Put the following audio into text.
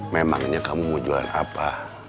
memangnya kamu mau jualan apa